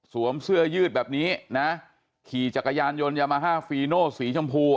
เสื้อยืดแบบนี้นะขี่จักรยานยนต์ยามาฮาฟีโนสีชมพู